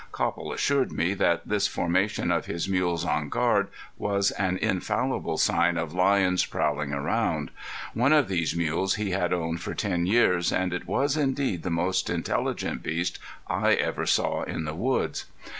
Copple assured me that this formation of his mules on guard was an infallible sign of lions prowling around. One of these mules he had owned for ten years and it was indeed the most intelligent beast I ever saw in the woods.